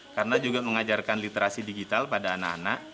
karena juga mengajarkan literasi digital pada anak anak